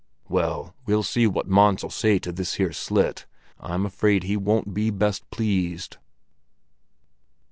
Well, we'll see what Mons'll say to this here slit. I'm afraid he won't be best pleased."